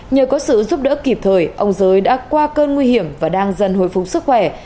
nhờ có sự giúp đỡ kịp thời ông giới đã qua cơn nguy hiểm và đang dần hồi phục sức khỏe